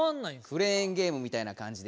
クレーンゲームみたいなかんじでやると。